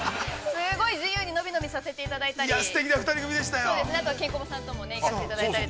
すごい自由に伸び伸びさせていただいたり。